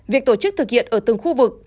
việc tổ chức thực hiện ở từng khu vực